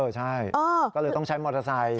ใช่ก็เลยต้องใช้มอเตอร์ไซค์